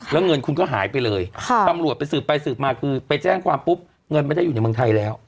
แล้วเงินคุณก็หายไปเลยตำรวจไปสืบไปสืบมาคือไปแจ้งความปุ๊บเงินไม่ได้อยู่ในเมืองไทยแล้ว